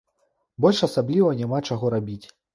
Больш асабліва няма чаго рабіць.